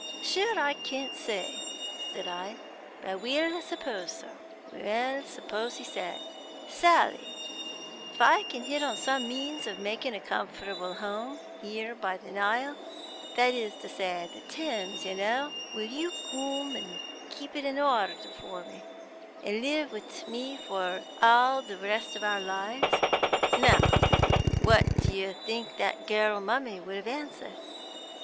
'Sure I can't say,' said I, 'but we'll suppose so. Well, suppose he said, "Sally if I can hit on some means of making a comfortable home here by the Nile, that's to say, the Thames, you know, will you come and keep it in order for me, and live with me for all the rest of our lives?" Now what do you think the girl mummy would have answered?'"